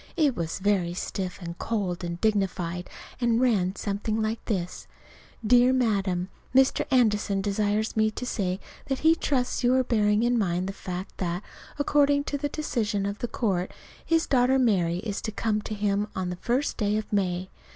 It was very stiff and cold and dignified, and ran something like this: DEAR MADAM: Dr. Anderson desires me to say that he trusts you are bearing in mind the fact that, according to the decision of the court, his daughter Mary is to come to him on the first day of May.